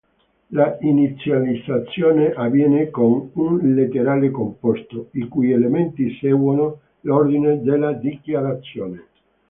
L'inizializzazione avviene con un letterale composto, i cui elementi seguono l'ordine della dichiarazione.